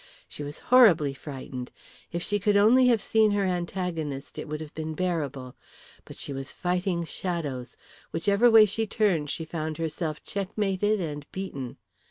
She was horribly frightened. If she could only have seen her antagonist it would have been bearable. But she was fighting shadows. Whichever way she turned she found herself checkmated and beaten.